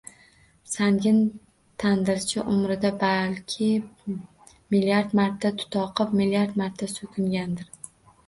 Sangin tandirchi umrida, balki, milliard marta tutoqib, milliard marta so‘kingandir